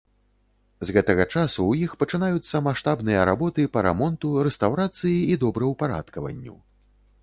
З гэтага часу ў іх пачынаюцца маштабныя работы па рамонту, рэстаўрацыі і добраўпарадкаванню.